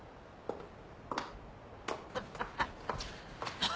アハハハ。